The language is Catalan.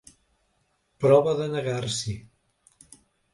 Prova de negar-s'hi.